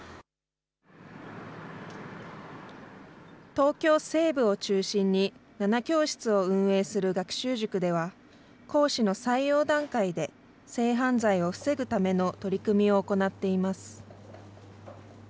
東京西部を中心に、７教室を運営する学習塾では、講師の採用段階で性犯罪を防ぐための取り組みを行っています。